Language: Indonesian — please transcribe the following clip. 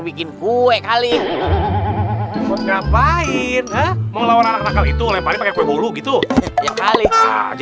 bikin kue kali ngapain hah mau lawan anak yang itu lemparin kue bulu gitu aja udah kamu yang sabar aja